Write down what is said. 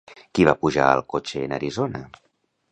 Qui va pujar al cotxe en Arizona?